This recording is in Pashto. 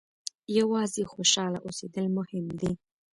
یوازې خوشاله اوسېدل مهم دي.